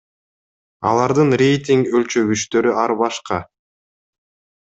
Алардын рейтинг өлчөгүчтөрү ар башка.